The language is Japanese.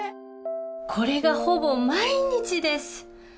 これがほぼ毎日です。